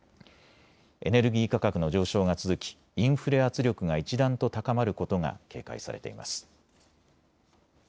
エネルギー価格の上昇が続きインフレ圧力が一段と高まることが警戒されています。